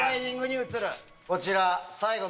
こちら。